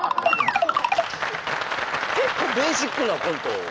結構ベーシックなコント